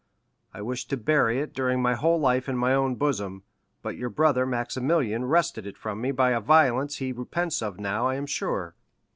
I wished to bury it during my whole life in my own bosom, but your brother Maximilian wrested it from me by a violence he repents of now, I am sure."